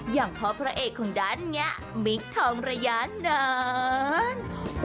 อย่างพ่อพระเอกของดันเนี่ยมิคทองระยานนั้น